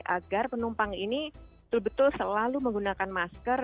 agar penumpang ini betul betul selalu menggunakan masker